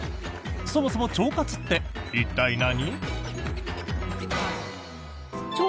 そもそも腸活って一体、何？